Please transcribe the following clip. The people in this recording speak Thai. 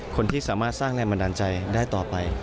คนที่สามารถสร้างแรงบันดาลใจได้ต่อไป